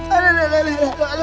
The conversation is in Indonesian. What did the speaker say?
aduh aduh aduh